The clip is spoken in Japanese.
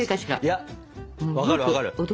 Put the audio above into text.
いや分かる分かる。